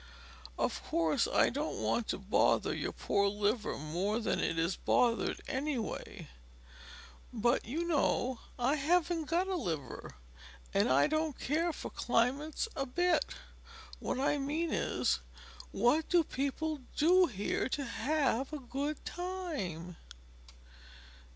"Of course I don't want to bother your poor liver more than it is bothered anyway; but, you know, I haven't got a liver, and I don't care for climates a bit. What I mean is: what do people do here to have a good time?"